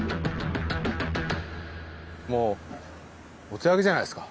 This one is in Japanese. もうお手上げじゃないですか？